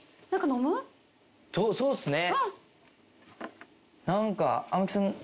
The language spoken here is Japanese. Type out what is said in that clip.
そうっすね。